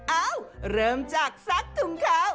เอ้าเริ่มจากซักถุงขาว